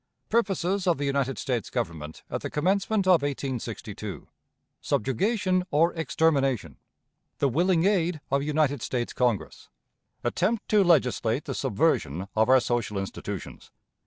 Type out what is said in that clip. Purposes of the United States Government at the Commencement of 1862. Subjugation or Extermination. The Willing Aid of United States Congress. Attempt to legislate the Subversion of our Social Institutions.